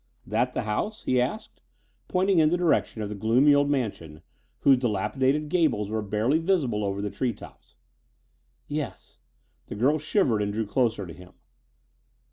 "That the house?" he asked, pointing in the direction of the gloomy old mansion whose dilapidated gables were barely visible over the tree tops. "Yes." The girl shivered and drew closer to him.